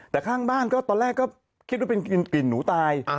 แต่ข้างบ้านก็ตอนแรกก็คิดว่าเป็นกลิ่นหนูตาย